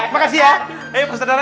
makasih ya pak sadara